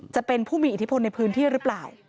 จะเป็นผู้มีอิทธิพลในพื้นที่หรือเปล่า